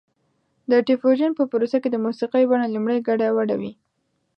د ډیفیوژن په پروسه کې د موسیقۍ بڼه لومړی ګډه وډه وي